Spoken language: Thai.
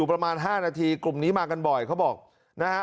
ประมาณ๕นาทีกลุ่มนี้มากันบ่อยเขาบอกนะฮะ